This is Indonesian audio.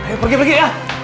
ayo pergi pergi ya